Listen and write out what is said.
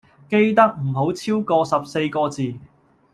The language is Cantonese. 記得唔好超個十四個字